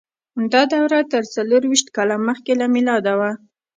دا دوره تر څلور ویشت کاله مخکې له میلاده وه.